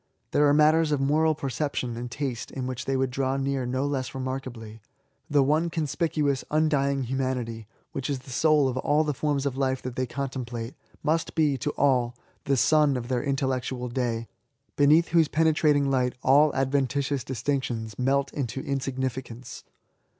There are matters of moral perception and taste in which they would draw near no less remarkably. The one conspicuous, undying LIFE TO THE INVALID. 99 humanity^ which is the soul of all ihe fonns of life that they contemplate, must be^ to all^ the sun of their intellectual day^ beneath whose penetra ting light all adventitious distinctions melt into insignificance.